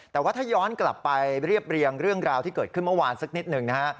แต่ว่าถ้าย้อนกลับไปเรียบเรียงเรื่องราวที่เกิดขึ้นเมื่อวานสักนิดหนึ่งนะฮะ